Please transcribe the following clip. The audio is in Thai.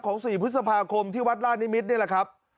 ๔พฤษภาคมที่วัดราชนิมิตรนี่แหละครับ